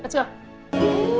yuk let's go